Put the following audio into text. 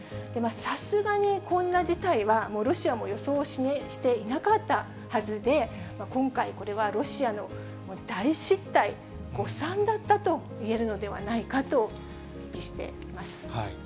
さすがに、こんな事態はロシアも予想していなかったはずで、今回、これはロシアの大失態、誤算だったといえるのではないかと分析しています。